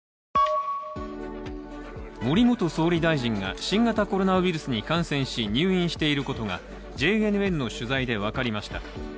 森元総理大臣が新型コロナウイルスに感染し、入院していることがＪＮＮの取材で分かりました。